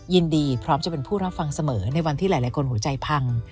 ยินดีพร้อมจะเป็นผู้รับฟังเสมอในวันที่หลายคนหัวใจพัง